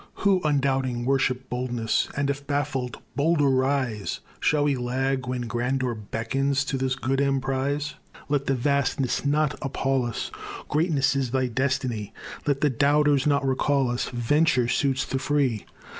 Who, undoubting, worship boldness, And, if baffled, bolder rise, Shall we lag when grandeur beckons To this good emprize? Let the vastness not appal us; Greatness is thy destiny. Let the doubters not recall us: Venture suits the free.